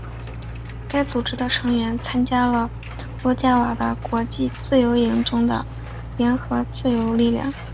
该组织的成员参加了罗贾瓦的国际自由营中的联合自由力量。